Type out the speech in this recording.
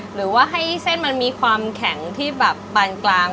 หรือว่าให้เส้นมันมีความแข็งที่แบบปานกลาง